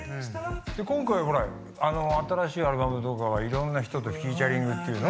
今回新しいアルバムとかがいろんな人とフィーチャリングっていうの？